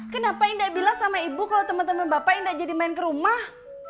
kenapa indah bilang sama ibu kalau teman teman bapak indah jadi main ke rumah